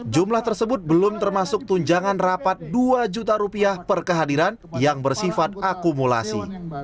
jumlah tersebut belum termasuk tunjangan rapat rp dua per kehadiran yang bersifat akumulasi